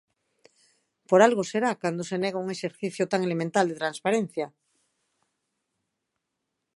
¡Por algo será cando se nega un exercicio tan elemental de transparencia!